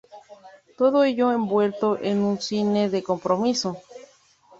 Todo ello envuelto en un cine de compromiso.